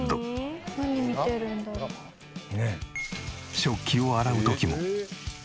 食器を洗う時も。